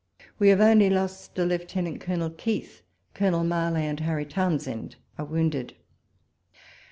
We have only lost a Lieu tenant colonel Keith ; Colonel Marlay and Harry Townshend are wounded.